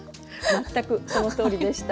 全くそのとおりでしたはい。